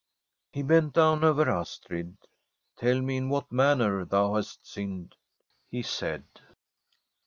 He bent down over Astrid. ' Tell me in what manner thou hast sinned,' he said.